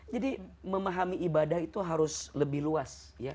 jadi memahami ibadah itu harus lebih luas